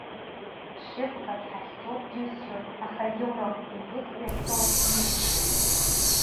Шьыбга дҳахьӡо џьысшьоит, аха егьаурым, — иҳәеит уи астол ахь днеин.